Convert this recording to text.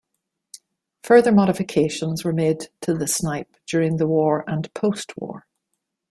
Further modifications were made to the Snipe during the war and postwar.